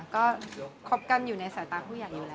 ก็คบกันอยู่ในสายตาผู้ใหญ่อยู่แล้ว